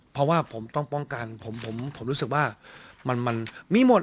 เพราะว่าผมต้องป้องกันผมผมรู้สึกว่ามันมีหมด